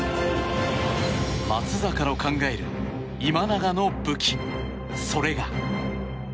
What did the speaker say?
松坂の考える今永の武器それが。